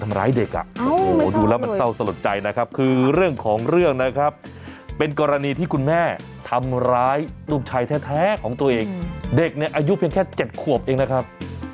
อ้าไปอีกเรื่องหนึ่งนะครับ